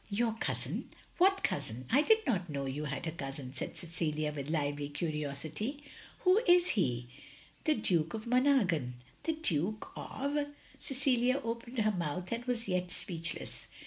"" Your cousin 1 What cousin ? I did not know you had a cousin!" said Cecilia, with lively curiosity. "Who is he?" " The Duke of Monaghan. " "The Duke of —!" Cecilia opened her mouth and was yet speechless.